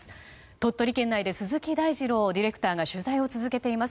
鳥取県内で鈴木大二朗ディレクターが取材を続けています。